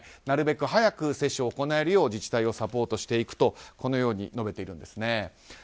なるべく早く接種を行えるよう自治体をサポートしていくと述べているんですね。